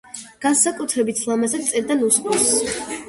განსაკუთრებით ლამაზად წერდა ნუსხურს.